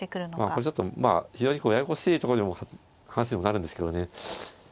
これちょっと非常にややこしい話にもなるんですけどね。